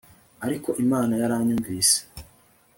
ariko imana yaranyumvise